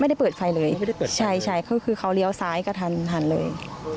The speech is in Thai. ไม่ได้เปิดไฟเลยใช่เขาคือเขาเลี้ยวซ้ายกระทันทันเลย